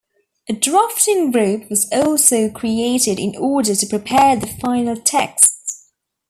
A Drafting Group was also created in order to prepare the final texts.